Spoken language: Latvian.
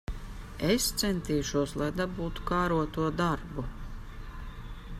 Es centīšos, lai dabūtu kāroto darbu.